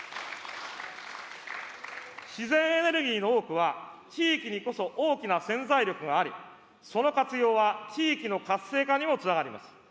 自然エネルギーの多くは、地域にこそ大きな潜在力があり、その活用は地域の活性化にもつながります。